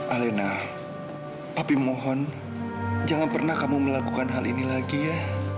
alena tapi mohon jangan pernah kamu melakukan hal ini lagi ya